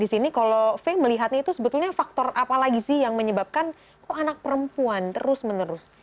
di sini kalau fay melihatnya itu sebetulnya faktor apa lagi sih yang menyebabkan kok anak perempuan terus menerus